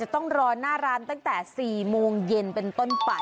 ต้องรอหน้าร้านตั้งแต่๔โมงเย็นเป็นต้นไป